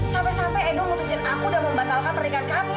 sampai sampai edo memutuskan aku dan membatalkan pernikahan kami